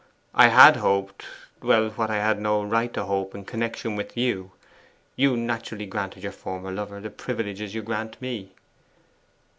I had hoped well, what I had no right to hope in connection with you. You naturally granted your former lover the privileges you grant me.